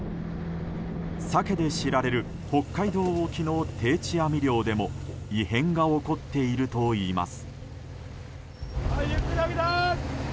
サケで知られる北海道沖の定置網漁でも異変が起こっているといいます。